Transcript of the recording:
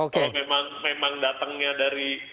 kalau memang datangnya dari